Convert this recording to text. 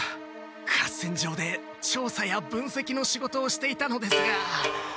合戦場でちょうさやぶんせきの仕事をしていたのですが。